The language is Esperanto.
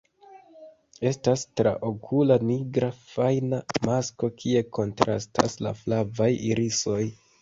Estas traokula nigra fajna masko kie kontrastas la flavaj irisoj.